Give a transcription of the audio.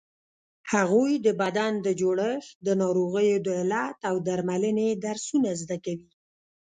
هغوی د بدن د جوړښت، د ناروغیو د علت او درملنې درسونه زده کوي.